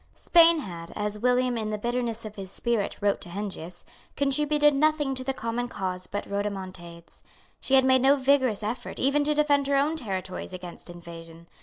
Spain had, as William, in the bitterness of his spirit, wrote to Heinsius, contributed nothing to the common cause but rodomontades. She had made no vigorous effort even to defend her own territories against invasion.